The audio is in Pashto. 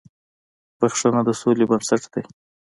• بښنه د سولې بنسټ دی.